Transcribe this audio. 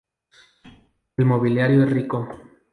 El mobiliario es rico.